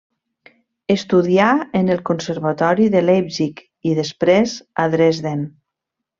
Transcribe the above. Estudià en el Conservatori de Leipzig i després a Dresden.